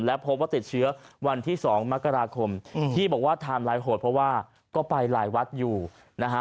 และพบว่าติดเชื้อวันที่๒มกราคมที่บอกว่าไทม์ไลน์โหดเพราะว่าก็ไปหลายวัดอยู่นะฮะ